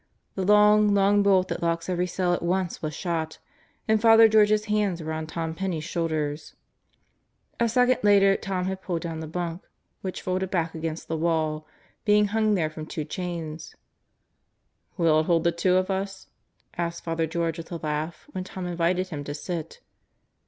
The long, long bolt, that locks every cell at once, was shot, and Father George's hands were on Tom Penney's shoulders. A second later Tom had pulled down the bunk, which Solitary Confinement 53 folded back against the wall, being hung there from two chains. "Will it hold the two of us?" asked Father George with a laugh, when Tom invited him to sit.